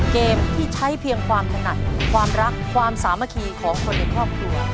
เกมที่ใช้เพียงความถนัดความรักความสามัคคีของคนในครอบครัว